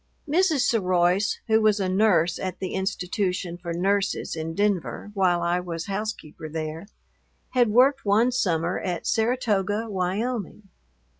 Mrs. Seroise, who was a nurse at the institution for nurses in Denver while I was housekeeper there, had worked one summer at Saratoga, Wyoming.